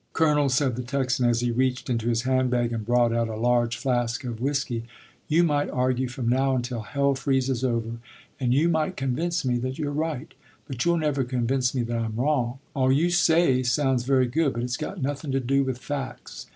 "Colonel," said the Texan, as he reached into his handbag and brought out a large flask of whisky, "you might argue from now until hell freezes over, and you might convince me that you're right, but you'll never convince me that I'm wrong. All you say sounds very good, but it's got nothing to do with facts.